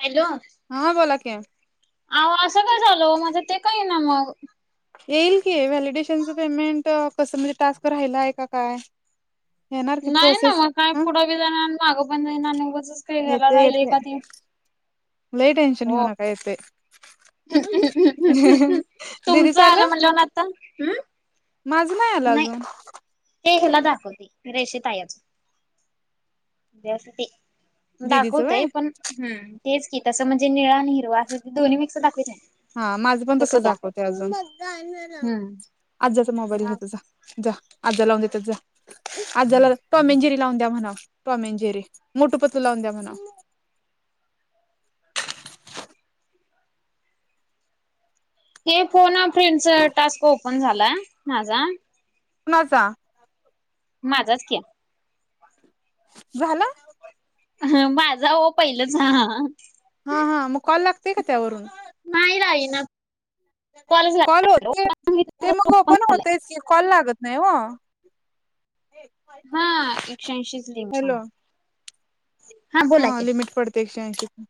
Hello! हा बोला की, अ असं काय झालं माझं ते का येईना मग, येईल की व्हॅलिडेशनचं पेमेंट कसं म्हणजे टास्क राहिला आहे का काय. येणार की नाही ना प्रोसेस हो काय हा पुढे बी जाईना आणि माग बी जाईन आणि उगाचच [unintelligible] राहिले का ते, लाही टेन्शन घेऊ हो. नका येत दीदीचा आलं? तर हम्. माज नाही आल अजून. ते हला दाखवते रेष तयाच ते, दिदीचं व्हय दाखवतय पण हम तेच की तसं म्हणजे निळा आणि हिरवा अस दोन्ही मिक्स दाखवायच आहे. हा माझं पण तस दाखवते अजून हम्म आजचा मोबाईल मग घेजा जा. जा आज्ज लावून देतात जा. आजाला टॉमेंजेरी लावून द्या म्हणाव, टॉमेंजेरी मोठू पतू लावून द्या म्हणाव. हे फोन फ्रेंडच टास्क ओपन झालाय माझा. कोणाचा. माझाच की. झाला. ह माझा हो पहिलंच हा...... हा हा मग कॉल लागतेय का त्यावरून.... नाही राहीना कॉलच कॉल होत नाही... ते मग पण होतच की कॉल लागत नाही ओ...... हा एकशे ऐंशीच लिम...... हा लिमिट पडते एकशे ऐशीच.....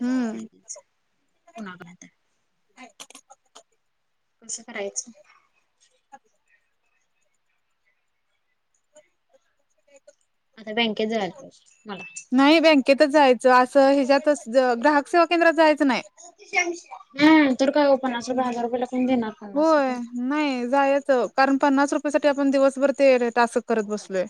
हम्म कुणाकडे तरी? कसं करायचं? अ [unintelligible] आता बँकेत जायला पाहिजे मला नाही बँकेतच जायचं असं ह्याच्यातच ग्राहक सेवा केंद्रात जायचं नाही.... हम तर काय हो पन्नास रुपये हजार रुपये लाकून देणार पन्नास होय रुपये.... नाही जायच कारण पन्नास रुपयाे साठी आपण दिवसभर ते टासक करत बसलोय...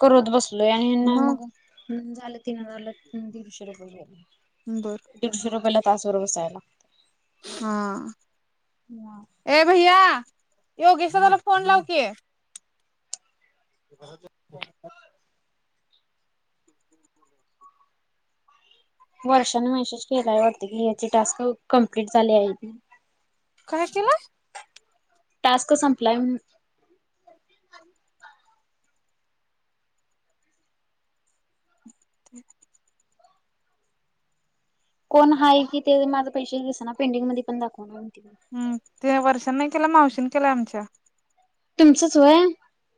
करत बसलोय आणि मग झालं तीन झालं दीडशे रुपये झाले.... बरं... दश रुपयाला तास वर बसायला.... हा लागतं. ए भैया योगेश दादाला फोन लागव कि... कसं..... वर्षानने वर्षेच केलाय वाटते की याचे टास्क कंप्लीट झाले आहेत... काय केला.... टास्क संपलाय.. ठीक.... कोण आहे कि ते माझं पैसे दिस ना पेंडिंग मध्ये पण दखवना... हम वर्षां नाही केलं मावशीने केल्या आमच्या... तुमचंच वय..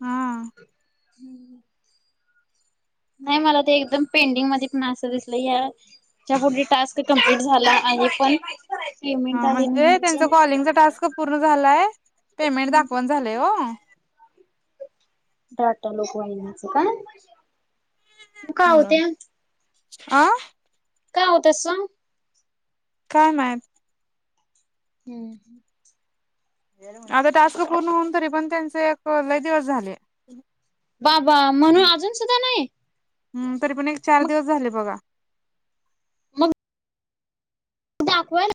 हा... नाही मला ते एकदम पेंटिंग मध्ये पण असं दिसलं या... पुढे टास्क कंप्लीट झाला आहे पण... पेमेंट हा आले नाही म्हणजे त्यांच कॉलिंगचा टास्क पूर्ण झालाय पेमेंट दाखवन झालंय हो... दाटा लोक वाहिण्याचं का.... का म्हणुन होते आ.... काय होतस सांग... काय नाय.... हम्म ह... आता टस्क पूर्ण होऊन तरी पण त्यांचे एक लय दिवस झाले... बा बा म्हणून अजून सुद्धा नाही.... हम तरी पण एक चार मग दिवस झाले बघा.. मग दाखवायला...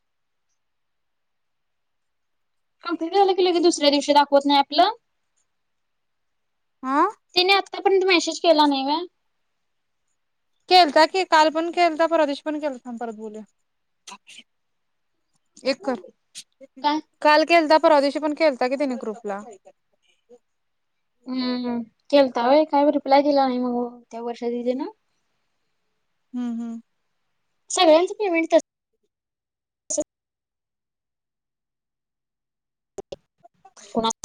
कम्लीट झालं की ले दुसऱ्या दिवशी दाखवत नाही आपलं... आा... तिने आतापर्यंत मेसेज केला नाही वय... केलता की काल पण केलता पर्वा दिशी पण केलता परत बोले... एक कर काय काल केलता परवा दिवशी पण केलता कि तिने ग्रुपला.... हम्मम केलताय काय रिप्लाय दिला नाही मग त्या वर्षात दिदी ना.... हम्म हम्... सगळ्यांच पेमेंट...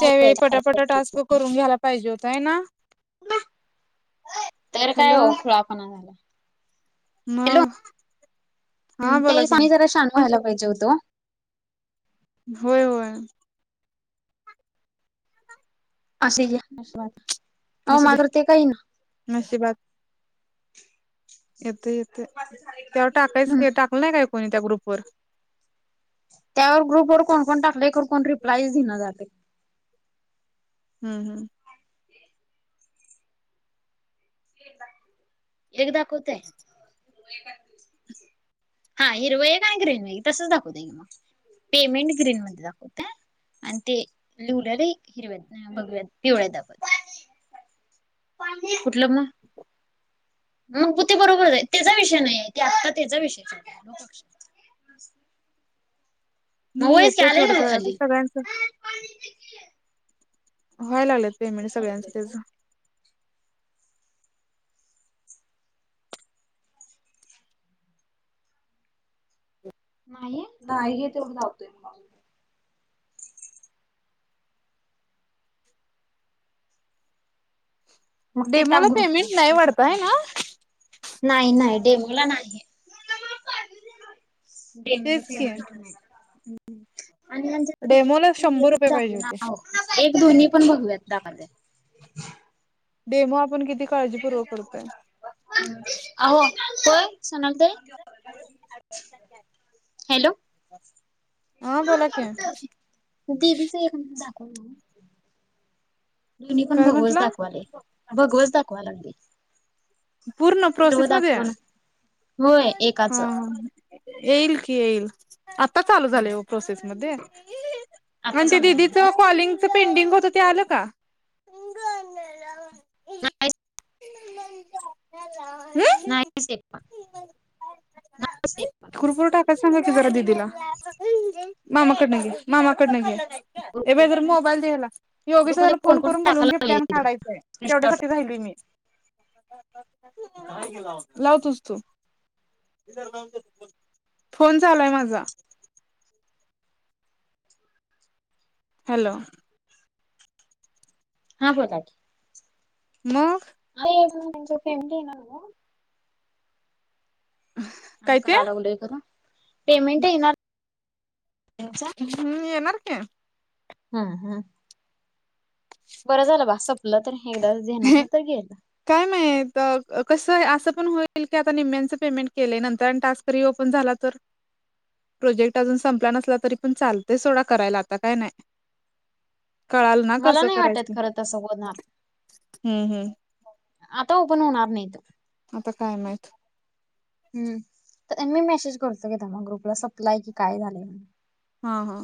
त्यावेळी पटापट टास्क करून घ्यायला पाहिजे होता आहे ना तर काय हॅलो खुळापणा झाला.... हॅलो मग हा बोला की त्या दि जरा शान व्हायला पाहिजे होतो... होय होय. असुदे घ्या नशिबात असू दया नशीबात येतंय येतंय त्यावर टाकायच ना टाकलंय नाय काय कोणी त्या ग्रुपवर त्यावर ग्रुप वर कोण कोण टाकले तर कोण रिप्लाय देईना झालय. हूं हूं एक दाखवतय हा हिरवय एक आणि ग्रीन तसच दाखवत की मग पेमेंट ग्रीन मध्ये दाखवतय. आणि ते लिवल्याले हिरव्यात नाय भगव्यात पिवळ्या दाखवतंय. कुठलं म मग ते बरोबर आहे तेजा विषय नाहीये ते आत्ता त्याचा विषय [unintelligible] मग नाही वयच की येतय आलंय नव्ह थोड्या वेळानी खाली सगळ्यांचं व्हायला लागलेत पेमेंट सगळ्यांच त्याज [unintelligible] नाही नाहीई घेेत मग धावतोय मागे मग ते डेमोला टाक ग्रुपला पेमेंट नाही वाढत स्क्रीनशॉट आहे मारून. ना? नाही नाही डेमोला नाहीये. डेमोला तेच की पेमेंट नाय. आणि डेमोला शंभर [unintelligible] रुपये दाखव पाहिजे ना होते. अहो एक दोन्ही पण भगव्यात दाखवतय. डेमो आपण किती काळजी [unintelligible] आहि सोनाली ताई हॅलो आ बोला की दीदींचा एख दाखवल दोन्हीपण काय भघवच म्हंटला? दाखवालय. भगवच दाखवा लागलय. पूर्ण हिरव प्रोसेस मध्ये दाखव हा णा होय हा एकाचं येईल की येईल आता चालू झालय प्रोसेसमध्ये आता आणि ते समजलं दिदीच का कॉलिंग ते पेंडिंग होत ते आलं का? ना य [unintelligible] नाहीच एक पण नाहीच एक पण तिकडं वर टाक. तस सांगा की जरा दीदीला मामा कडन घे मामा कडन घे. ए म्या जरा मोबाईल दे हेला योगेश दादा ग्रुपमध्ये ला फ़ोन कोण कोण करून बोलवून टाकायला घेतल्या लागले आणि काढायचाय तेवढ्या साठी स्क्रीनशॉट रायलोय मी लाव तुझ तु फोन चालूय माझा हॅलो हां बोला की मग हाय अजून म्हणजे फॅमिली आहे ना जवळ काय आमका ते रागावलाय करुन पेमेंट येणार हेंचा हम्म येणार की, हा हा बरं झालं बा सपल तर एकदाच धेनातन तर गेलं काय माहित अ कसं असं पण होईल की आता निम्म्यांचं पेमेंट केलंय नंतर आणि टास्क रि ओपन झाला तर [inaudible] प्रोजेक्ट अजून संपला नसला तरी पण चालतय सोडा करायला आता काय नाय मला नाय वाटत करायचं खरं तसं होणार हम्म हम्म आता ओपन होणार नाहीत. आता काय माहित. हम्म. मी मेसेज करतो की थांबा ग्रुपला सपलाय की काय झालय म्हणून? हा हा.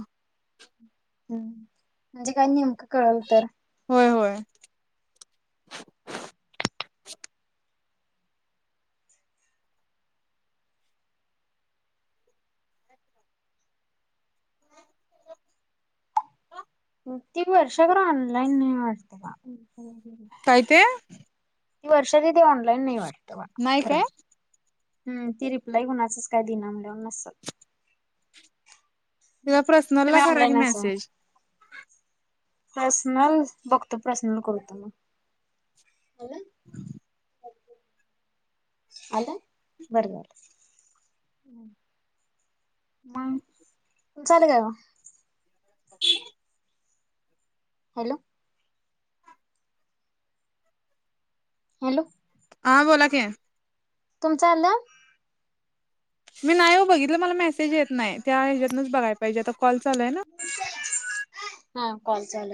हम, म्हणजे काय नेमकं कळल तर. होय होय. ती वर्षा पण ऑनलाईन नाही वाटत बा. काय ते? ती वर्षादीदी ऑनलाईन नाही वाटतं. नाही काय? हम, ती रिप्लाय कुणाचच काय दिना म्हनल्याव नसल. तिला पर्सनलला तुम्ही करा की ऑनलाईन असल. मेसेज पर्सनल बघतो प्रश्न करतो मग. आला? बरं झाल. मग झाल काय व? ह [inaudible] हॅलो? हॅलो? हां बोला की. तुमचं आल? मी नाही हो बघितलं मला मेसेज येत नाय, त्या हेच्यातनच बघाय पाहिजे आता कॉल चालू हाय ना. हा कॉल चालू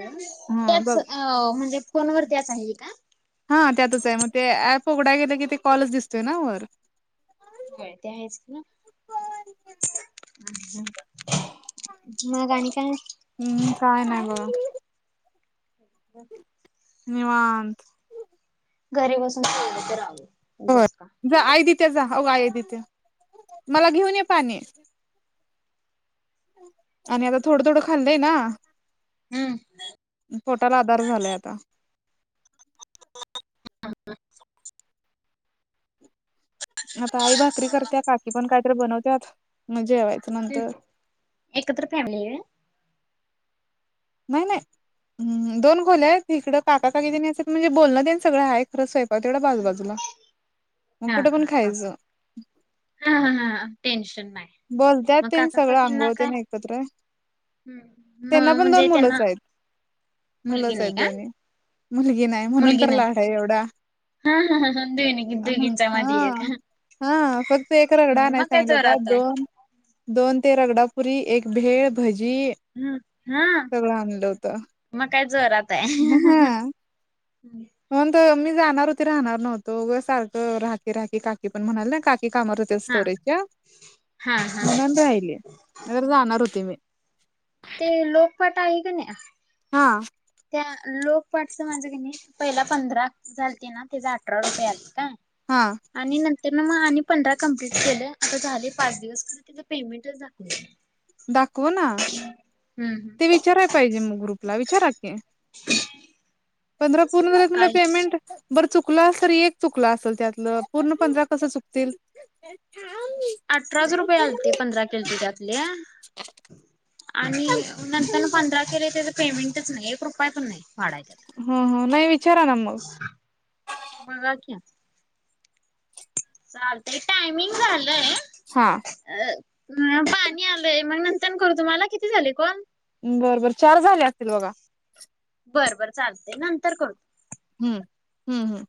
हा हाय बघ हं. हो म्हणजे फोनवर त्याच हाय हे का? हा त्यातच आहे, मग ते एप उघडाय गेल की ते कॉलच दिसतोय ना वर. होय ते आहेच कि ना. मग आणि काय? हम्म काय नाय बघा. हो [inaudible] निवांत. घरी बसून तेवढं करावं का [inaudible] जा आई दिते जा, हो आई दिते, मला घेऊन ये पाणी. आणि आता थोडं थोडं खाल्लंय ना, हम्म पोटाला आधार झालाय आता. हम. आता आई भाकरी करत्या, काकी पण कायतरी बनवत्यात मग जेवाय चं, एकत्र फॅमिली आहे? नाही नाही, व्हय दोन खोल्या आहेत, इकडं काका काकी त्यांनी असत्यात, म्हणजे बोलणं त्यांनी सगळं आहे. परत स्वयंपात तेवढा बाजू बाजूला मग हा कुठं पण हा असं खायचं. हा ह ह टेन्शन नाही. बोलत्यात मग ते काका सगळं आंघोळते न एकत्र ये. हम् म म्हणजे त्यांना? मुलगी मुलच आहेत नाही का दोन्ही मुलगी नाही, म्हणून मुलगी तर नाही लाड आहे एवढा. हा हा दोघीं दोघींच्या हा. एक. हा फक्त एक रगडा आनया मग काय सांगितलं होता, जोरात आहे. दोन दोन ते रगडापुरी एक भेळ भजी हम्म हा सगळं आणलं होतं. मग काय जोराते. हा. म्हणून तर मी जाणार होते, राहणार नव्हतो, उगच सारखं राहकी राहकी काकी पण म्हणाले ना काकी. [unintelligible] काम होत्या हा सोरेच्या हा हा म्हणून राहिली जाणार होती मी. ते लोकपट आहे ग नाही. हा. त्या लोक पाठच माझं की नाही पहिला पंधरा झालती ना? त्याच अठरा रुपये आलत हां. हा. आणि नंतर ना मग आणि पंधरा कमप्लीट केलं. आता झाले पाच दिवस- त्याच पेमेंटच दाखवत नाही. दाखव ना. ते हम्म विचाराय पाहिजे मग ग्रुपला विचारा की. [inaudible] पंधरा पूर्ण झा तुला काहीच पेमेंट- बरं चुकलं असल तरी एक चुकलं असेल त्यातलं. पूर्ण पंधरा कस चुकतील? अठराच रुपये आलते. पंधरा केलते त्यातले हां. आणि नंतर पंधरा केले त्याच पेमेंटच नाही. एक रुपय पण नाही. वाढाय त्यात ह ह. नाही विचारा ना म. बघा की. चालतय. टायमिंग झालंय- हा. अ. पाणी आलय. मग नंतर करू तुम्हाला? किती झाले कॉल? बरोबर. चार झाले असतील बघा. बरं बरं चालतय. नंतर करत- हम्म. हम्म हम्म.